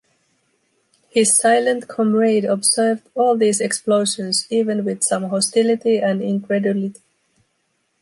His silent comrade observed all these explosions even with some hostility and incredulity.